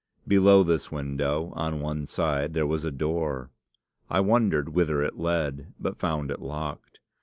Below this window, on one side, there was a door. I wondered whither it led, but found it locked.